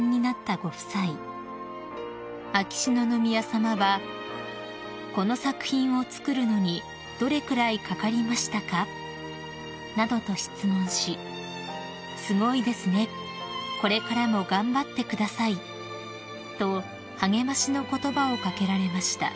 ［秋篠宮さまは「この作品を作るのにどれくらいかかりましたか？」などと質問し「すごいですね」「これからも頑張ってください」と励ましの言葉を掛けられました］